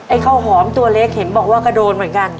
ข้าวหอมตัวเล็กเห็นบอกว่าก็โดนเหมือนกัน